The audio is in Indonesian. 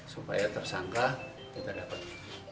supaya tersangka kita dapat